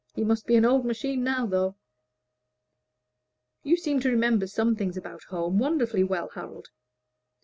He must be an old machine now, though." "You seem to remember some things about home wonderfully well, Harold."